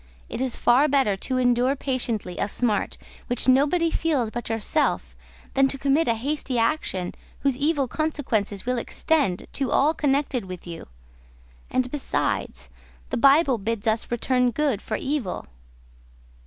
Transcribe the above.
It is far better to endure patiently a smart which nobody feels but yourself, than to commit a hasty action whose evil consequences will extend to all connected with you; and besides, the Bible bids us return good for evil."